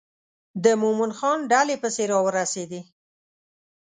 د مومن خان ډلې پسې را ورسېدې.